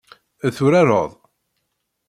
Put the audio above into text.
Turareḍ?